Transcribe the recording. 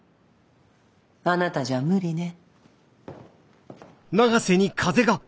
あなたじゃ無理ね。